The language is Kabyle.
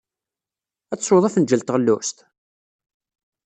Ad tesweḍ afenjal n teɣlust?